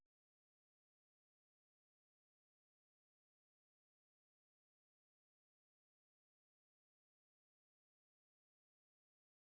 อันที่เกิดเหตุโดยเฉพาะ